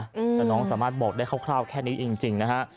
แต่น้องสามารถบอกได้คร่าวแค่นี้จริงนะฮะ